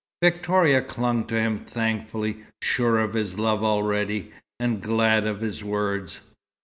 Victoria clung to him thankfully, sure of his love already, and glad of his words.